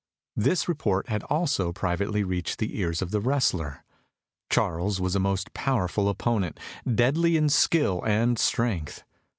This report had also privately reached the ears of the wrestler. Charles was a most powerful opponent, deadly in skill and strength.